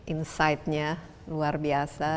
insidenya luar biasa